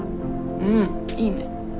うんいいね。